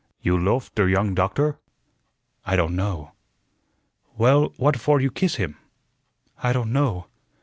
"You loaf der younge doktor?" "I don't know." "Well, what for you kiss him?" "I don't know."